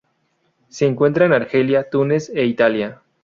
Se encuentra en Argelia, Túnez e Italia.